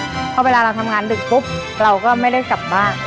เพราะเวลาเราทำงานดึกปุ๊บเราก็ไม่ได้กลับบ้าน